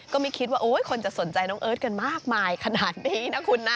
ก็ไม่คิดว่าคนจะสนใจน้องเอิร์ทกันมากมายขนาดนี้นะคุณนะ